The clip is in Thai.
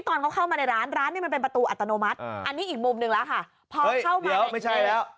หนูฝิกนะฮะลูกฏาหมวกต้องมี